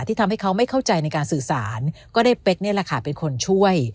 ทำให้เขาไม่เข้าใจในการสื่อสารก็ได้เป๊กนี่แหละค่ะเป็นคนช่วย